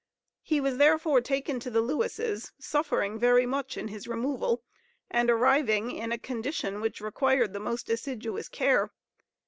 He was therefore taken to the Lewises, suffering very much in his removal, and arriving in a condition which required the most assiduous care.